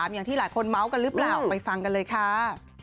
อย่างที่หลายคนเมาส์กันหรือเปล่าไปฟังกันเลยค่ะ